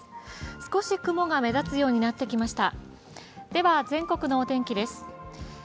少し雲が目立つようになってきました。